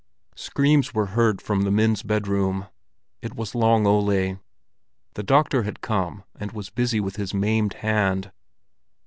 Screams were heard from the men's bedroom. It was Long Ole. The doctor had come and was busy with his maimed hand.